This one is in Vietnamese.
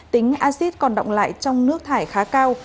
tính acid còn động lại trong nước thải khá cao